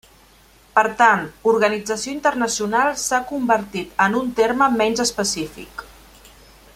Per tant, organització internacional s'ha convertit en un terme menys específic.